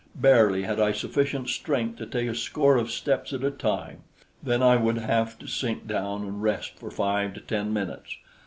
Barely had I sufficient strength to take a score of steps at a time; then I would have to sink down and rest for five to ten minutes.